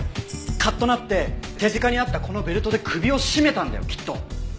カッとなって手近にあったこのベルトで首を絞めたんだよきっと。